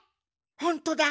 ほんとだ！